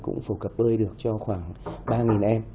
cũng phổ cập bơi được cho khoảng ba em